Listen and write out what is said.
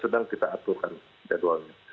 sedang kita aturkan jadwalnya